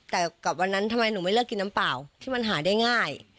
แต่กับวันนั้นทำไมหนูไม่เลิกกินน้ำเปล่าที่มันหาได้ง่าย